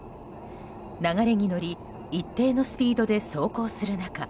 流れに乗り一定のスピードで走行する中